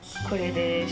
これです。